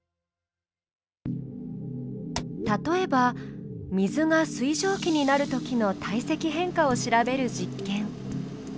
例えば水が水蒸気になるときの体積変化を調べる実験。